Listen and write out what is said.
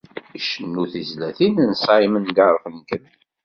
Icennu tizlatin n Simon d Garfunkel.